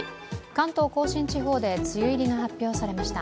関東甲信地方で梅雨入りが発表されました。